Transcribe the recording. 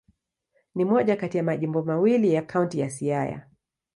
Ni moja kati ya majimbo mawili ya Kaunti ya Siaya.